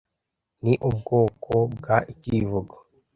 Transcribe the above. ni ubwoko bwa Icyivugo